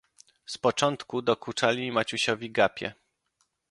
"Z początku dokuczali Maciusiowi gapie."